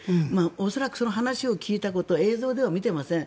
恐らくその話を聞いたこと映像では見ていません。